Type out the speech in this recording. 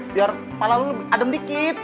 biar pala lo lebih adem dikit